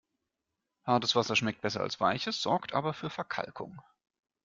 Hartes Wasser schmeckt besser als weiches, sorgt aber für Verkalkung.